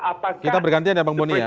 apakah kita bergantinya bang boni ya